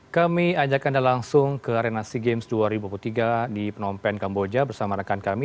kami ajak anda langsung ke arena sea games dua ribu dua puluh tiga di phnom penh kamboja bersama rekan kami